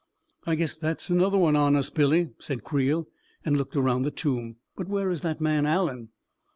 " I guess that's another one on us, Billy," said Creel, and looked around the tomb. " But where is that man Allen